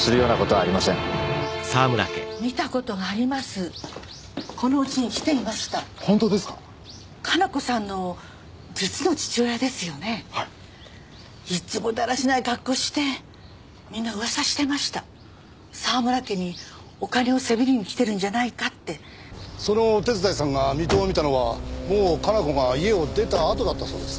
はいいっつもだらしない格好してみんなウワサしてました沢村家にお金をせびりに来てるんじゃないかってそのお手伝いさんが水戸を見たのはもう加奈子が家を出たあとだったそうです